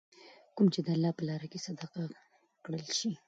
کوم چې د الله په لاره کي صدقه کړل شي .